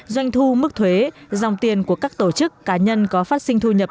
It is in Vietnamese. doanh thu mức thuế dòng tiền của các tổ chức cá nhân có phát sinh thu nhập